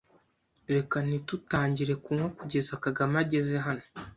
Reka ntitutangire kunywa kugeza Kagame ageze hano.